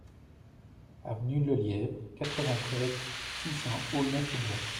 Avenue Lelièvre, quatre-vingt-treize, six cents Aulnay-sous-Bois